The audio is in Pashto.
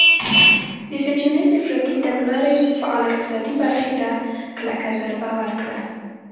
د سټیونز افراطي تګلارې فعاله اقتصادي برخه ته کلکه ضربه ورکړه.